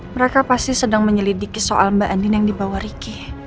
mereka pasti sedang menyelidiki soal mbak andin yang dibawa ricky